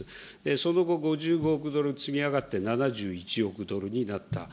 その後、５５億ドル詰み上がって、７１億ドルになった。